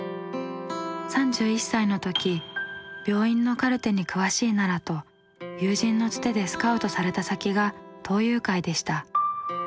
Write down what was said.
３１歳の時病院のカルテに詳しいならと友人のつてでスカウトされた先が東友会でした。